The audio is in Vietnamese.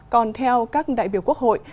còn theo các đại biểu quốc hội